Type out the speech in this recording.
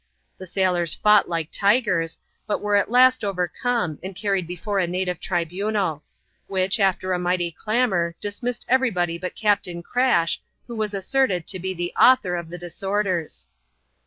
The sailors fought like tigers; but were at last overcome, and carried before a native tribunal; which, after a mighty clamour, dismissed every body but Captain Crash, who was asserted to be the author of the disorders.